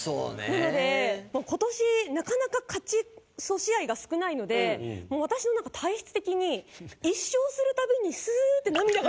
なのでもう今年なかなか勝ち試合が少ないのでもう私の体質的に１勝するたびにスーッて涙が出るような。